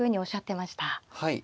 はい。